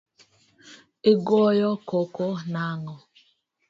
Igoyo koko nang'o?